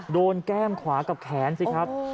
แก้มขวากับแขนสิครับ